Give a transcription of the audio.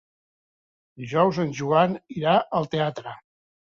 Dijous en Joan irà al teatre.